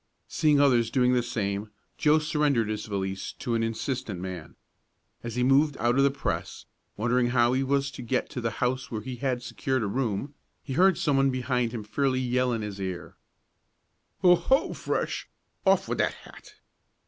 Seeing others doing the same, Joe surrendered his valise to an insistent man. As he moved out of the press, wondering how he was to get to the house where he had secured a room, he heard someone behind him fairly yell in his ear: "Oh ho! Fresh.! Off with that hat!"